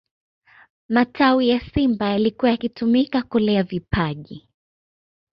matawi ya simba yalikuwa yakitumika kulea vipaji